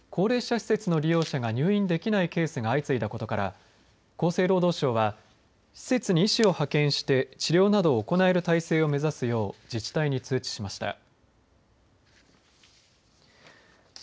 新型コロナウイルスによる病床のひっ迫で高齢者施設の利用者が入院できないケースが相次いだことから厚生労働省は施設に医師を派遣して治療などを行える体制を目指すよう自治体に通知しました。